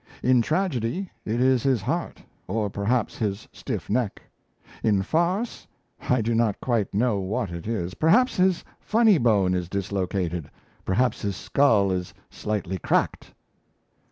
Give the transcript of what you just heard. In tragedy it is his heart, or perhaps his stiff neck. In farce I do not quite know what it is perhaps his funny bone is dislocated; perhaps his skull is slightly cracked."